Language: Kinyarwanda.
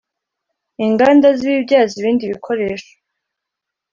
Inganda zibibyaza ibindi bikoresho